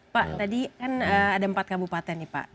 pak tadi kan ada empat kabupaten nih pak